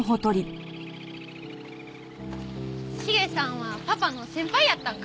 茂さんはパパの先輩やったんか。